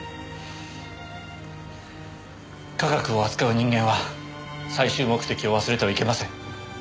科学を扱う人間は最終目的を忘れてはいけません。